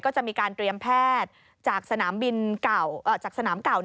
ก็จะมีการเตรียมแพทย์จากสนามเก่า